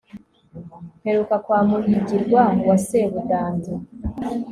mperuka kwa muhigirwa wa sebudandi